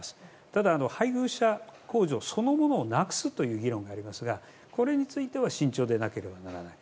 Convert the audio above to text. ただ、配偶者控除そのものをなくすという議論がありますがこれについては慎重でなければならない。